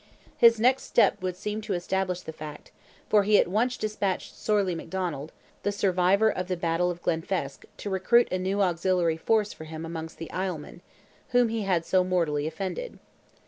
His next step would seem to establish the fact, for he at once despatched Sorley McDonald, the survivor of the battle of Glenfesk, to recruit a new auxiliary force for him amongst the Islesmen, whom he had so mortally offended.